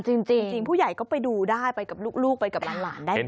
จริงผู้ใหญ่ก็ไปดูได้ไปกับลูกไปกับหลานได้